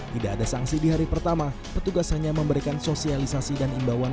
tidak ada sanksi di hari pertama petugas hanya memberikan sosialisasi dan imbauan